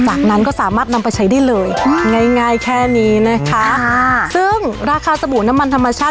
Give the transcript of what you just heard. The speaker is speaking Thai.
จากนั้นก็สามารถนำไปใช้ได้เลยง่ายง่ายแค่นี้นะคะซึ่งราคาสบู่น้ำมันธรรมชาติ